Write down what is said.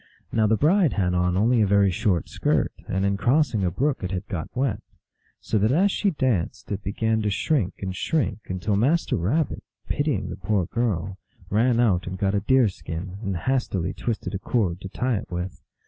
Now the bride had on only a very short skirt, and in crossing a brook it had got wet. So that as she danced, it began to shrink and shrink, until Master Rabbit, pitying the poor girl, ran out and got a deer skin, and hastily twisted a cord to tie it with.